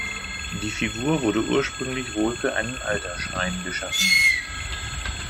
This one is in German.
Die Figur wurde ursprünglich wohl für einen Altarschrein geschaffen.